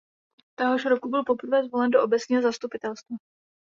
Téhož roku byl poprvé zvolen do obecního zastupitelstva.